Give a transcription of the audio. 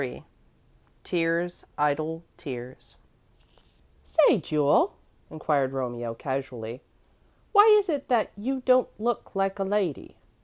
XXIII "TEARS, IDLE TEARS" "Say, Jule," inquired Romeo, casually, "why is it that you don't look like a lady?"